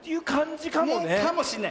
かもしんない。